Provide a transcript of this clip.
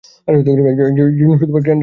একজন crane driver.